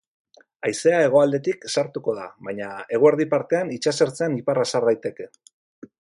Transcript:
Haizea hegoaldetik sartuko da, baina eguerdi partean itsasertzean iparra sar daiteke.